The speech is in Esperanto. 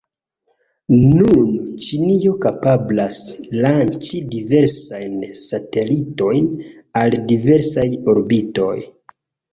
Nun Ĉinio kapablas lanĉi diversajn satelitojn al diversaj orbitoj.